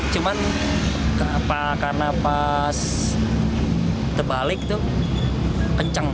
cuma karena pas terbalik tuh kenceng